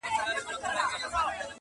بې ما بې شل نه کړې.